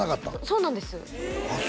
そうなんですあっ